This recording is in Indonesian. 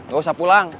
gak usah pulang